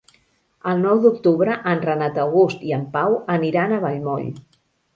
El nou d'octubre en Renat August i en Pau aniran a Vallmoll.